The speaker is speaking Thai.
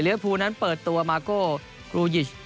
เหลือภูนั้นเปิดตัวมาโกลูยิช